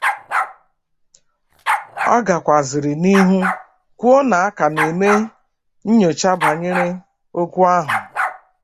ọ gakwazịrị n'ihu kwuo na a ka na-eme nnyocha banyere okwu ahụ